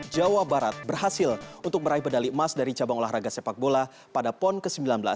jawa barat berhasil untuk meraih medali emas dari cabang olahraga sepak bola pada pon ke sembilan belas